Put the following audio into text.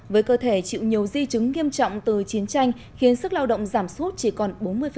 với cơ thể chịu nhiều di chứng nghiêm trọng từ chiến tranh khiến sức lao động giảm suốt chỉ còn bốn mươi